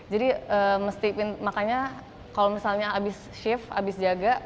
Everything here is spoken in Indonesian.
jadi makanya kalau misalnya habis shift habis jaga